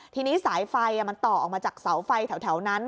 ทีนี้สายไฟมันต่อออกมาจากเตาไฟหนาวที่แถว